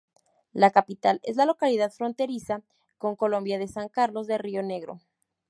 La capital es la localidad fronteriza con Colombia de San Carlos de Río Negro.